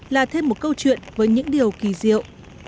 là thêm một câu chuyện với những điều kỳ diệu